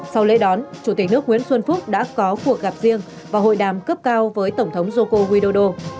sau lễ đón chủ tịch nước nguyễn xuân phúc đã có cuộc gặp riêng và hội đàm cấp cao với tổng thống joko widodo